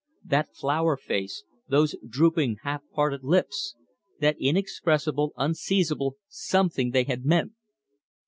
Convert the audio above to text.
That flower face, those drooping, half parted lips! That inexpressible, unseizable something they had meant!